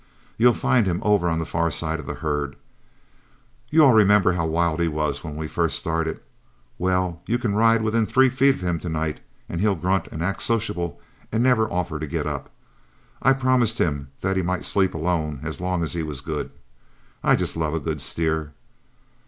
You'll find him over on the far side of the herd. You all remember how wild he was when we first started? Well, you can ride within three feet of him to night, and he'll grunt and act sociable and never offer to get up. I promised him that he might sleep alone as long as he was good; I just love a good steer.